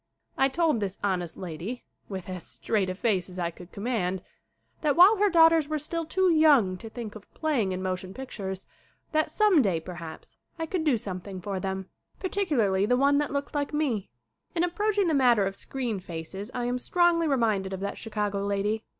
I told this honest lady, with as straight a face as I could command, that while her daughters were still too young to think of play ing in motion pictures that some day, perhaps, I could do something for them, particularly the one that looked like me. In approaching the matter of screen faces I am strongly reminded of that Chicago lady.